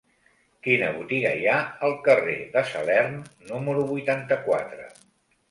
Quina botiga hi ha al carrer de Salern número vuitanta-quatre?